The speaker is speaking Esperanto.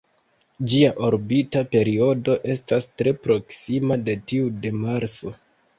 Ĝia orbita periodo estas tre proksima de tiu de Marso.